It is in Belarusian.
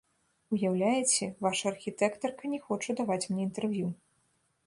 Уяўляеце, ваша архітэктарка не хоча даваць мне інтэрв'ю.